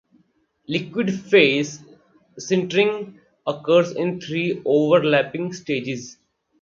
Liquid phase sintering occurs in three overlapping stages.